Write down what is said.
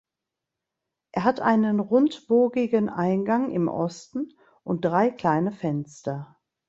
Er hat einen rundbogigen Eingang im Osten und drei kleine Fenster.